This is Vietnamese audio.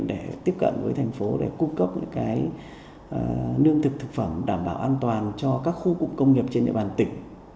để tiếp cận với thành phố để cung cấp những cái nương thực thực phẩm đảm bảo an toàn cho các khu công nghiệp trên địa bàn tỉnh